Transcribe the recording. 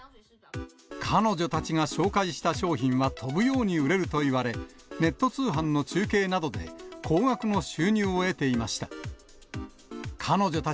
彼女たちが紹介した商品は飛ぶように売れるといわれ、ネット通販の中継などで、高額の収入を得ていました。